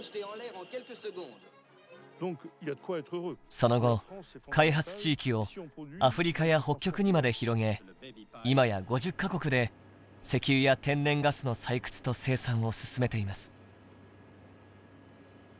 その後開発地域をアフリカや北極にまで広げ今や５０か国で石油や天然ガスの採掘と生産を進めています。